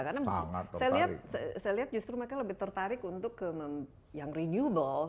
karena saya lihat justru mereka lebih tertarik untuk yang renewable